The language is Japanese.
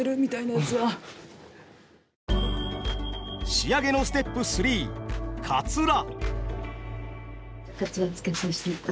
仕上げのステップ３かつら。